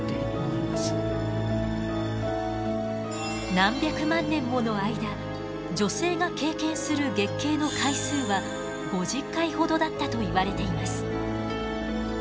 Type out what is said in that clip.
何百万年もの間女性が経験する月経の回数は５０回ほどだったといわれています。